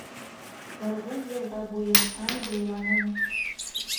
Ырғыҙ йылға буйын, ай, буйланым